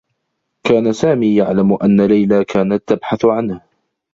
كان سامي يعلم أنّ ليلى كانت تبحث عنه.